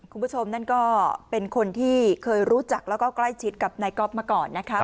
คุณผู้ชมนั่นก็เป็นคนที่เคยรู้จักแล้วก็ใกล้ชิดกับนายก๊อฟมาก่อนนะคะ